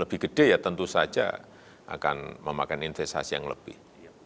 lebih gede ya tentu saja akan memakan investasi yang lebih